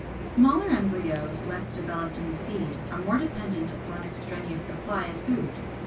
] 34. Smaller embryos, less developed in the seed, are more dependent upon the extraneous supply of food.